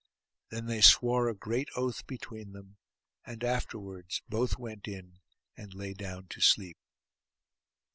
Then they swore a great oath between them; and afterwards both went in, and lay down to sleep.